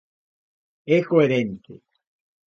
É coherente.